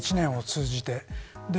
一年を通じて。